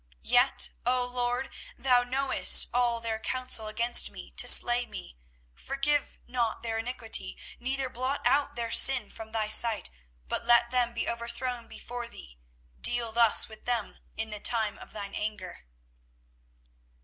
24:018:023 Yet, LORD, thou knowest all their counsel against me to slay me: forgive not their iniquity, neither blot out their sin from thy sight, but let them be overthrown before thee; deal thus with them in the time of thine anger.